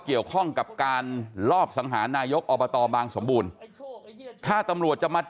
เกี่ยวข้องกับการลอบสังหารนายกอบตบางสมบูรณ์ถ้าตำรวจจะมา